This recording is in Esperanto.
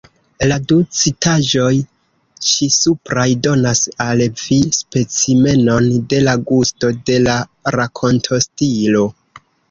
La du citaĵoj ĉisupraj donas al vi specimenon de la gusto de la rakontostilo.